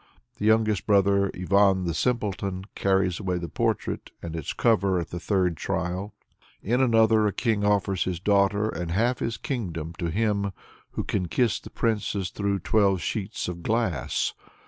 The youngest brother, Ivan the Simpleton, carries away the portrait and its cover at the third trial. In another, a king offers his daughter and half his kingdom to him "who can kiss the princess through twelve sheets of glass."